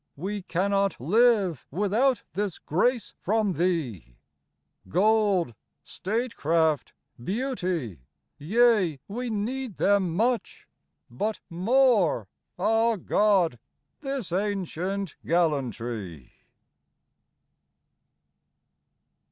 We cannot live without this grace from thee ; Gold, statecraft, beauty — ^yea, we need them much, But more — ^ah, God! — ^this ancient gallantry!